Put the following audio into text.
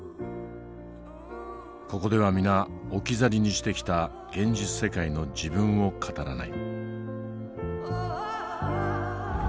ここでは皆置き去りにしてきた現実世界の自分を語らない。